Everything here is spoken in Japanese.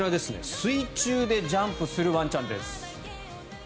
水中でジャンプするワンちゃんです。